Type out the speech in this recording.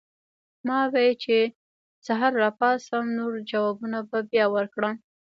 ما وې چې سحر راپاسم نور جوابونه به بیا ورکړم